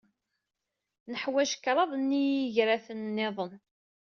Neḥwaj kraḍ n yigraten niḍen.